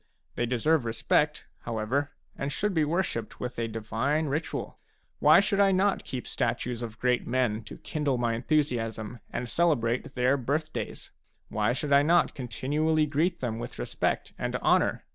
They deserve respect, however, and should be worshipped with a divine ritual. Why should I not keep statues of great men to kindle my enthusiasm, and celebrate their birth days? Why should I not continually greet them with respect and honour?